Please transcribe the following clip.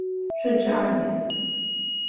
顺治二年。